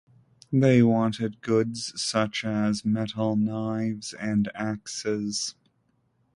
They wanted goods such as metal knives and axes.